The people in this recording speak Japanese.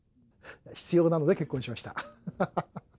必要なので結婚しました。